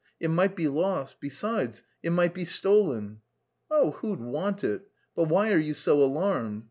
It might be lost; besides, it might be stolen." "Oh, who'd want it! But why are you so alarmed?